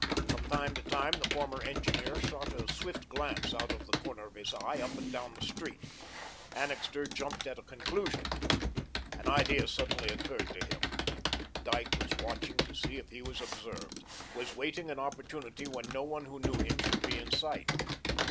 From time to time the former engineer shot a swift glance out of the corner of his eye up and down the street. Annixter jumped at a conclusion. An idea suddenly occurred to him. Dyke was watching to see if he was observed was waiting an opportunity when no one who knew him should be in sight.